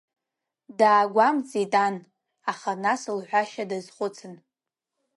Даагәамҵит, ан, аха нас, лҳәашьа даазхәыцын…